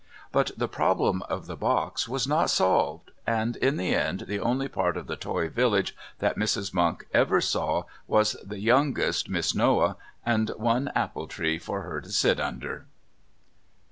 But the problem of the box was not solved and, in the end, the only part of the toy village that Mrs. Monk ever saw was the youngest Miss Noah and one apple tree for her to sit under.